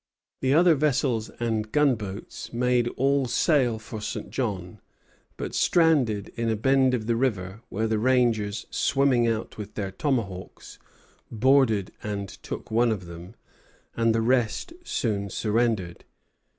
The other vessels and gunboats made all sail for St. John, but stranded in a bend of the river, where the rangers, swimming out with their tomahawks, boarded and took one of them, and the rest soon surrendered.